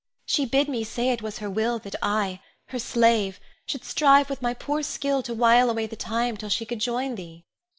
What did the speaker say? She bid me say it was her will that I, her slave, should strive with my poor skill to while away the time till she could join thee.